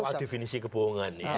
itu adalah definisi kebohongan